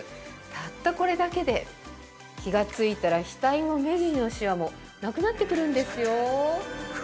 たったこれだけで気がついたら額も目尻のしわもなくなってくるんですよ。